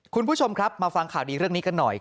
คุณผู้ชมครับมาฟังข่าวดีเรื่องนี้กันหน่อย